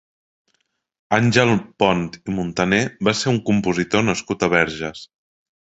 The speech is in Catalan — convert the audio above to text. Àngel Pont i Montaner va ser un compositor nascut a Verges.